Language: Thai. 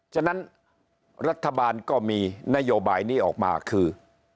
ฉะนั้นรัฐบาลก็มีนโยบายนี้ออกมาคือ